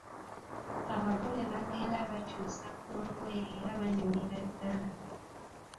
Abagole baagenda bakyuse ku ngoye era baanyumira ddala.